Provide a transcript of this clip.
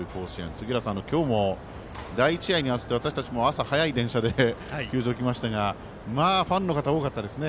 杉浦さん、今日も第１試合に合わせて私たちも朝早い電車で球場に来ましたがファンの方、多かったですね。